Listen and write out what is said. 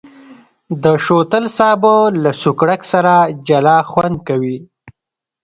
د شوتل سابه له سوکړک سره جلا خوند کوي.